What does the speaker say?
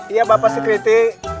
iya bapak sri kiti